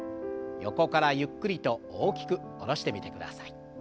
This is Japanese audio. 横からゆっくりと大きく下ろしてみてください。